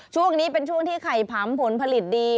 ช่วงนี้เป็นช่วงที่ไข่ผำผลผลิตดี